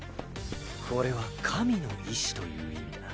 これは神の意志という意味だ。